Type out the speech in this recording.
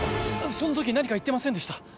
その時何か言ってませんでした？